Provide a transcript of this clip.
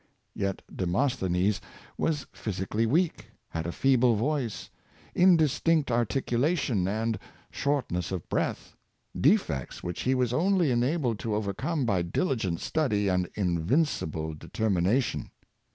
Yet Demosthenes was phy sically weak, had a feeble voice, indistinct articulation, and shortness of breath — defects which he was only en abled to overcome by diligent study and invincible de termination.